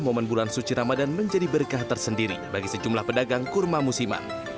momen bulan suci ramadan menjadi berkah tersendiri bagi sejumlah pedagang kurma musiman